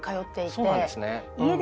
そうなんですね。